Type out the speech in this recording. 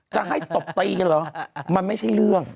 จะให้ตบตีกันเหรอมันไม่ใช่เรื่อง